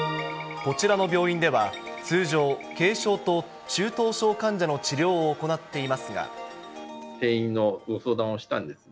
こちらの病院では通常、軽症と中等症患者の治療を行っていますが。